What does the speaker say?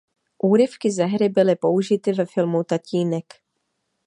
Úryvky ze hry byly použity ve filmu Tatínek.